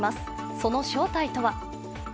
その正体とは。